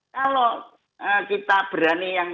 kalau kita berani yang